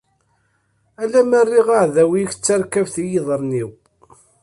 Alamma rriɣ aɛdaw-ik d tarkabt i yiḍarren-ik.